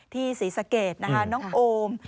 ศรีสะเกดนะคะน้องโอม